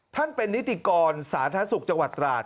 ท่านเป็นนิติกรสาธารณสุขจังหวัดตราด